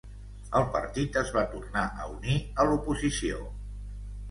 El partit es va tornar a unir a l'oposició.